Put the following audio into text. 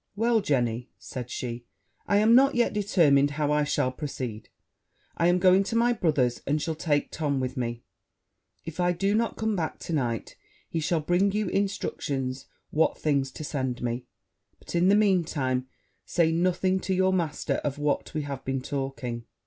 'Well, Jenny,' said she, 'I am not yet determined how I shall proceed; I am going to my brother's, and shall take Tom with me: if I do not come back to night, he shall bring you instructions what things to send me; but, in the mean time, say nothing to your master of what we have been talking.'